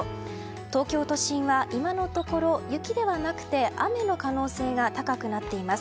東京都心は、今のところ雪ではなくて雨の可能性が高くなっています。